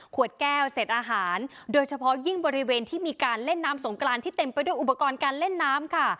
ขวดแก้วเศษอาหารโดยเฉพาะยิ่งบริเวณที่มีการเล่นน้ำสงกรานที่เต็มไปด้วยอุปกรณ์การเล่นน้ำค่ะ